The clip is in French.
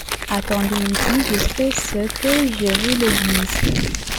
Attendez ici jusqu’à ce que je vous le dise.